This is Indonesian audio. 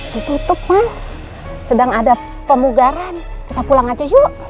ditutup mas sedang ada pemugaran kita pulang aja yuk